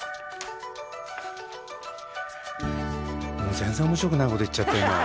全然面白くないこと言っちゃった今。